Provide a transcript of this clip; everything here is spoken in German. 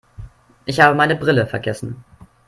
Ich habe meine Brille vergessen.